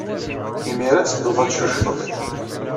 Imir-a ad teddud ad teccucfed.